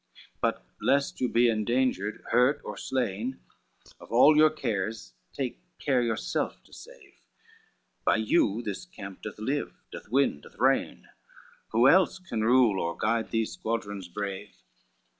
CXXIX "But lest you be endangered, hurt, or slain, Of all your cares take care yourself to save, By you this camp doth live, doth win, doth reign, Who else can rule or guide these squadrons brave?